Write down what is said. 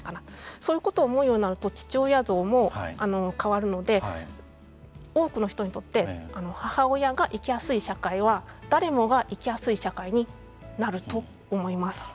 そういうことを思うようになると父親像も変わるので多くの人にとって母親が生きやすい社会は誰もが生きやすい社会になると思います。